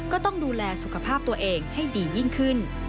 ก็ต้องดูแลสุขภาพตัวเองให้ดียิ่งขึ้น